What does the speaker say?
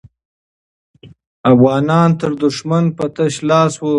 افغانان تر دښمن په تش لاس وو.